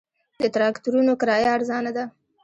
د تراکتورونو کرایه ارزانه ده